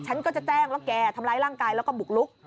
ฉันก็จะแจ้งว่าแกทำร้ายร่างกายแล้วก็บุกลุก